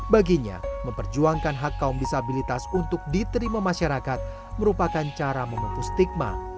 baginya memperjuangkan hak kaum disabilitas untuk diterima masyarakat merupakan cara memupus stigma